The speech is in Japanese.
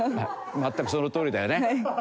全くそのとおりだよね。